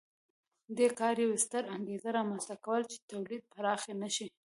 دې کار یوه ستره انګېزه رامنځته کوله چې تولید پراخ نه شي